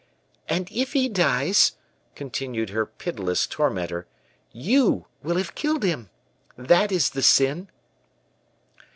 "And if he dies," continued her pitiless tormentor, "you will have killed him. That is the sin."